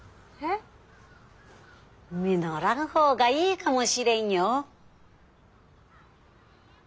実らぬ方がいいかもしれんよ。